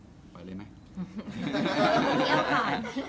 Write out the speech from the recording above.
คนต่างงานเสร็จแล้วฝ่ายเลยมั้ย